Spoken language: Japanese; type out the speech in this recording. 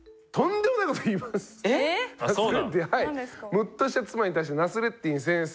ムッとした妻に対してナスレッディン先生